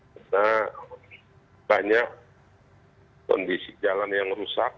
karena banyak kondisi jalan yang rusak